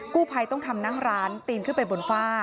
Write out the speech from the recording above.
กู้ภัยต้องทำนั่งร้านปีนขึ้นไปบนฝ้า